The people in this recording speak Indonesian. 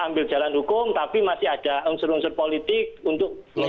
ambil jalan hukum tapi masih ada unsur unsur politik untuk